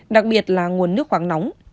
đặc biệt là nguồn nước khoáng nóng